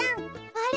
あれ？